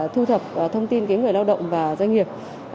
thu thập thông tin người lao động và doanh nghiệp